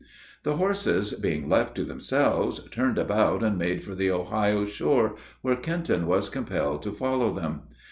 The horses, being left to themselves, turned about and made for the Ohio shore, where Kenton was compelled to follow them.